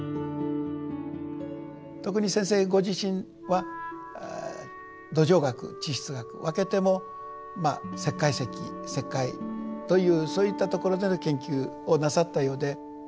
特に先生ご自身は土壌学地質学わけてもまあ石灰石石灰というそういったところでの研究をなさったようで。